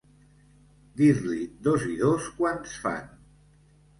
Dir-li dos i dos quants fan.